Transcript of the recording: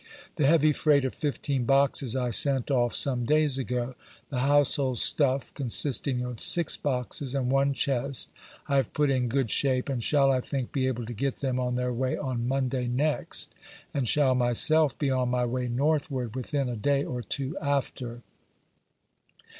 The heavy freight of fifteen boxes I sent off some days ago. The household stuff, consisting of six boxes and one chest, I have put in good shape, and shall, I think, be ablo to get them on their way on Monday next, and shall myself be on my way northward within a day or two after.